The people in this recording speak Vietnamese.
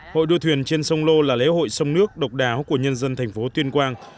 hội đuổi thuyền trên sông lô là lễ hội sông nước độc đáo của nhân dân tp tuyên quang